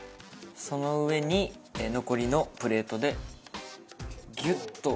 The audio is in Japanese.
その上に残りのプレートでギュッと。